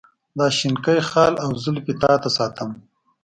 دا شینکی خال او زلفې تا ته ساتم.